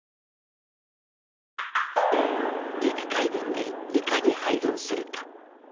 陸海軍でいかに配分するか。